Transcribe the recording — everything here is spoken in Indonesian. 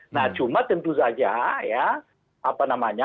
nah cuma tentu saja ya apa namanya